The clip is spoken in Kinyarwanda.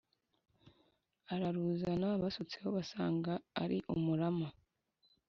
araruzana; basutseho basanga ari umurama!